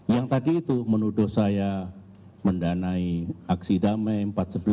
yang tadi itu menuduh saya mendanai aksi damai empat ratus sebelas